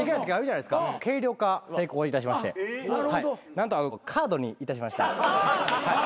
何とカードにいたしました。